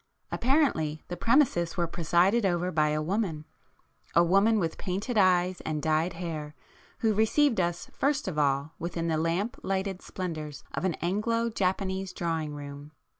Apparently, the premises were presided [p 106] over by a woman,—a woman with painted eyes and dyed hair who received us first of all within the lamp lighted splendours of an Anglo Japanese drawing room.